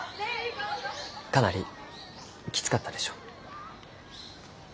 かなりきつかったでしょ。